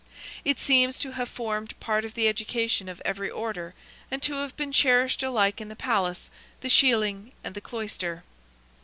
It seems to have formed part of the education of every order, and to have been cherished alike in the palace, the shieling, and the cloister.